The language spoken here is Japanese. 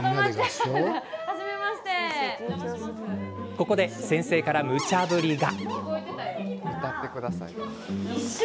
ここで先生から、むちゃ振りが。